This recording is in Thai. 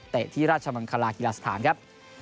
ที่ราชมังคลากีฬาสถานครับ